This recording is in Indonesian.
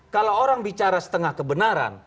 kalau orang bicara setengah kebenaran